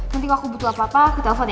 nanti kalau aku butuh apa apa aku telfon ya